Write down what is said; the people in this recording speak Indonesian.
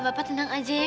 bapak tenang aja ya